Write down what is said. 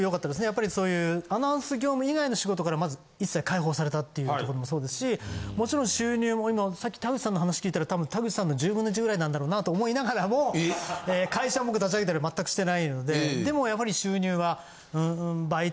やっぱりそういうアナウンス業務以外の仕事からまず一切解放されたっていうところもそうですしもちろん収入も今さっき田口さんの話聞いたらたぶん田口さんの１０分の１ぐらいなんだろうなと思いながらも会社を僕立ち上げたり全くしてないのででもやはり。